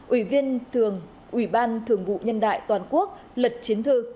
ủy viên thường ủy ban thường vụ nhân đại toàn quốc lật chiến thư